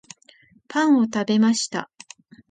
パンを食べました